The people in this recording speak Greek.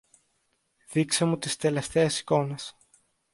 Δείξε μου τις τελευταίες εικόνες.